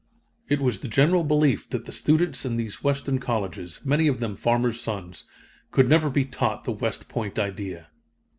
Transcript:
It was the general belief that the students in these Western colleges, many of them farmers' sons, could never be taught the West Point idea.